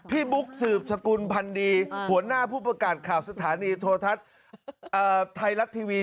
บุ๊กสืบสกุลพันดีหัวหน้าผู้ประกาศข่าวสถานีโทรทัศน์ไทยรัฐทีวี